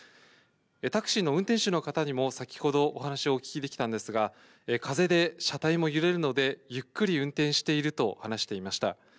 タクシーの運転手の方にも先ほどお話をお聞きできたんですが、風で車体も揺れるので、ゆっくり運転していると話していました。